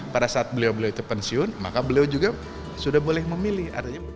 pada saat beliau beliau itu pensiun maka beliau juga sudah boleh memilih